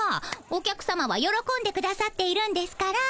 お客さまはよろこんでくださっているんですから。